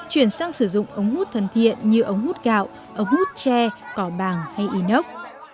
chuyển sang sử dụng ống hút thân thiện như ống hút gạo ống hút tre cỏ bàng hay inox